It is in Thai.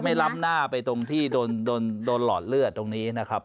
ล้ำหน้าไปตรงที่โดนหลอดเลือดตรงนี้นะครับ